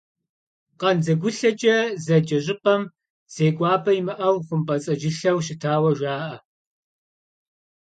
«КъандзэгулъэкӀэ» зэджэ щӀыпӀэм зекӀуапӀэ имыӀэу хъумпӀэцӀэджылъэу щытауэ жаӀэ.